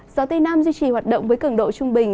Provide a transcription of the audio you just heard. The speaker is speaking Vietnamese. gió tây nam duy trì hoạt động với cường độ trung bình